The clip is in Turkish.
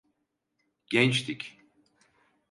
Gençtik.